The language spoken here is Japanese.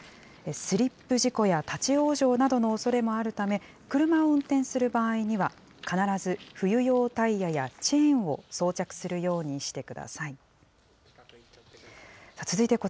スリップ事故や立往生などのおそれもあるため、車を運転する場合には、必ず冬用タイヤやチェーンを装着するようにしてください。